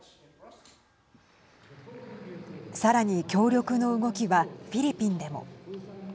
さらに協力の動きはフィリピンでも。